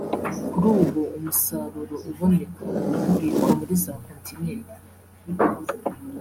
Kuri ubu umusaruro uboneka ubikwa muri za kontineri